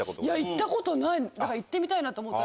行ったことないだから行ってみたいと思った。